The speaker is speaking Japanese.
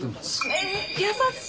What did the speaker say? え優しい！